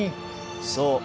そう。